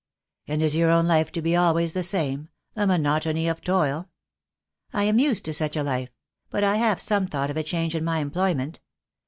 "And is your own life to be always the same — a monotony of toil?" "I am used to such a life — but I have some thought of a change in my employment.